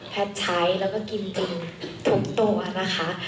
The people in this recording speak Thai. แพทย์ใช้แล้วก็กินจริงทุกตัวนะคะ